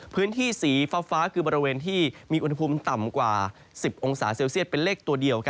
พื้นที่สีฟ้าคือบริเวณที่มีอุณหภูมิต่ำกว่า๑๐องศาเซลเซียตเป็นเลขตัวเดียว